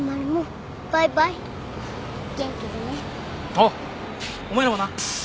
おうお前らもな。